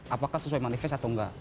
apakah sesuai manifest atau enggak